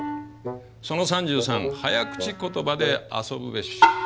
「その３３早口言葉で遊ぶべし」。